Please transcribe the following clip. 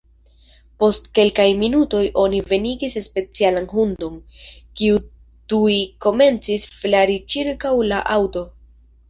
Post kelkaj minutoj oni venigis specialan hundon, kiu tuj komencis flari ĉirkaŭ la aŭto.